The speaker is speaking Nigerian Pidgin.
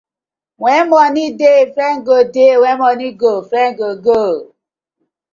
When money dey, friend go dey, when money go, friend go go.